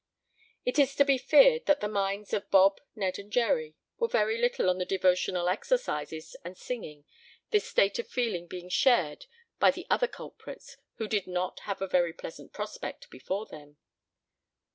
It is to be feared that the minds of Bob, Ned and Jerry were very little on the devotional exercises and singing, this state of feeling being shared by the other culprits, who did not have a very pleasant prospect before them.